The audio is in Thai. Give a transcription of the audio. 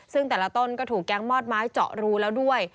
ซึ่งแต่ละต้นก็ถูกแก๊งมอดไม้เจาะรูแล้วด้วย